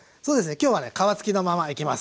今日はね皮付きのままいきます。